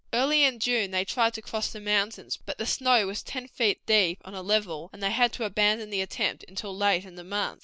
Early in June they tried to cross the mountains, but the snow was ten feet deep on a level, and they had to abandon the attempt until late in the month.